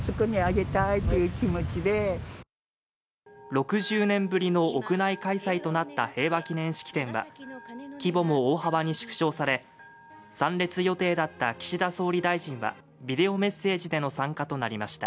６０年ぶりの屋内開催となった平和祈念式典は規模も大幅に縮小され参列予定だった岸田総理大臣はビデオメッセージでの参加となりました。